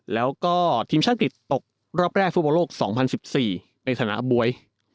แล้วก็ทีมชาติอังกฤษตกรอบแรกฟุตบอลโลก๒๐๑๔ในฐานะบ๊วย